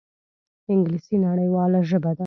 انګلیسي نړیواله ژبه ده